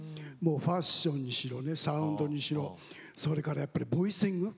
ファッションにしろサウンドにしろそれからやっぱりボイシング。